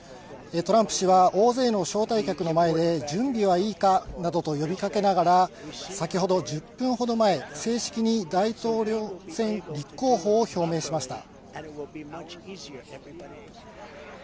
トランプ氏は大勢の招待客の前で準備はいいか？などと呼びかけながら、先ほど１０分ほど前、正式に大統領選立候補を表明しました。